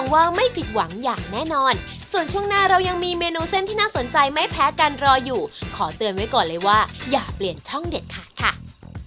วันนี้ต้องขอขอบคุณเชียบทั้งสองมากครับขอบคุณครับขอบคุณครับ